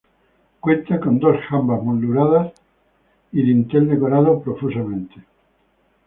Cuenta con dos jambas molduradas, y dintel decorado profusamente.